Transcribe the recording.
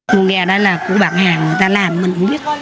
nguồn gà đây là của bản hàng người ta làm mình cũng biết